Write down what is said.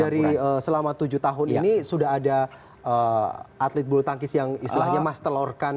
jadi selama tujuh tahun ini sudah ada atlet bulu tangkis yang istilahnya mas telurkan